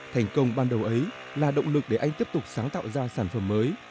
thành công ban đầu ấy là động lực để anh tiếp tục sáng tạo ra sản phẩm mới